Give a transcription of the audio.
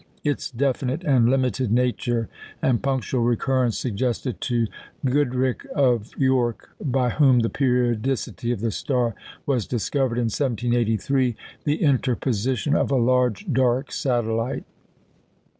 Its definite and limited nature, and punctual recurrence, suggested to Goodricke of York, by whom the periodicity of the star was discovered in 1783, the interposition of a large dark satellite.